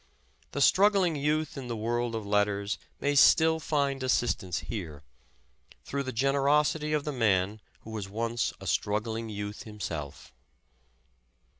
The struggling youth in the world of letters may still find assistance here, through the generosity of the man who was once a struggling youth himself.